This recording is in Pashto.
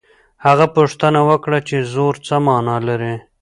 هغه پوښتنه وکړه چې زور څه مانا لري.